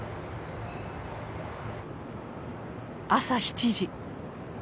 朝７時。